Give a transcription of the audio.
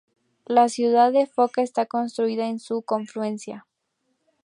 La ciudad de Foča está construida en su confluencia.